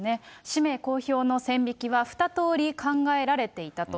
氏名公表の線引きは２通り考えられていたと。